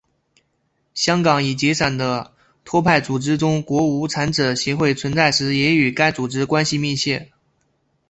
香港已解散的托派组织中国无产者协会存在时也与该组织关系密切。